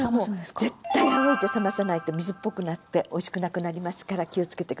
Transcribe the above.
これはもう絶対あおいで冷まさないと水っぽくなっておいしくなくなりますから気を付けて下さい。